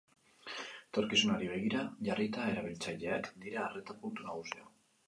Etorkizunari begira jarrita, erabiltzaileak dira arreta puntu nagusia.